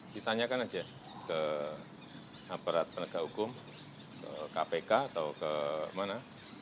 ditanyakan aja ke aparat penegak hukum ke kpk atau ke mana